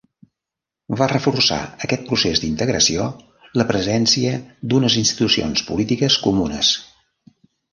Va reforçar aquest procés d'integració la presència d'unes institucions polítiques comunes.